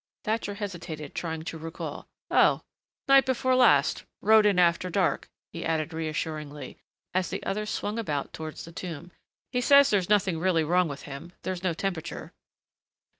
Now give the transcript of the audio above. Thatcher hesitated, trying to recall. "Oh, night before last rode in after dark." He added reassuringly, as the other swung about towards the tomb, "He says there's nothing really wrong with him. There's no temperature."